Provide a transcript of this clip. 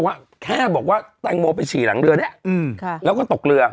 ว่าแค่บอกว่าแตงโมไปฉี่หลังเรือนี้แล้วก็ตกเรือ